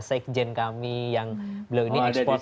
sekjen kami yang beliau ini ekspor